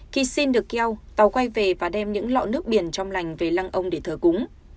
khi xin được keo tàu quay về và đem những lọ nước biển trong lành về lăng ông để thờ cúng